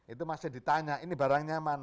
itu masih ditanya ini barangnya mana